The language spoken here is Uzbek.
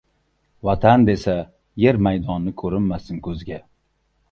Vatan desa, yer maydoni ko‘rinmasin ko‘zga